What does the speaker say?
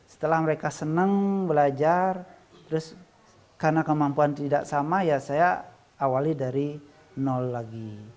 setelah mereka senang belajar terus karena kemampuan tidak sama ya saya awali dari nol lagi